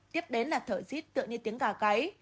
tiếp đến là thở rít tựa như tiếng gà cấy